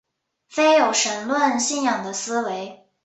非有神论信仰的思维。